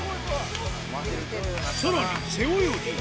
さらに、背泳ぎ。